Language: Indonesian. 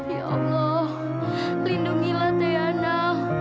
ya allah lindungilah tete yana